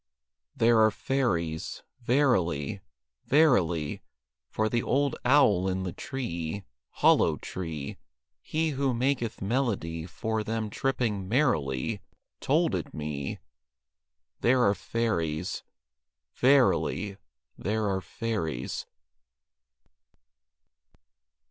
There are fairies; verily; Verily; For the old owl in the tree, Hollow tree, He who maketh melody For them tripping merrily, Told it me. There are fairies. Verily, There are fairies.